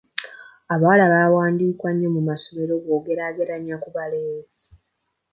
Abawala bawanduka nnyo mu masomero bw'ogeraageranya ku balenzi.